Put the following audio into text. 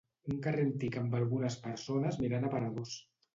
Un carrer antic amb algunes persones mirant aparadors.